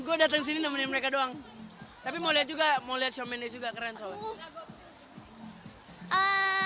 gue datang sini nemenin mereka doang tapi mau liat juga mau liat shawn mendes juga keren soalnya